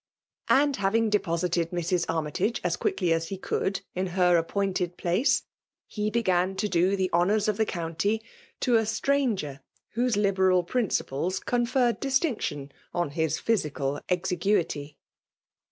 And, hav ing deposited Mrs. Armytage as quickly as lie could in her appointed place, ho began to do the honours of the county to a stranger whose liberal principles conferred distinction on his physical exiguity.